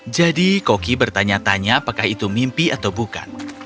jadi koki bertanya tanya apakah itu mimpi atau bukan